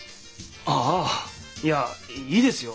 ああいやいいですよ。